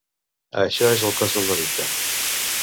Això és el cos del delicte.